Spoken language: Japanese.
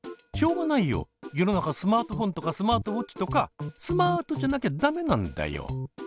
世の中スマートフォンとかスマートウォッチとかスマートじゃなきゃ駄目なんだよ。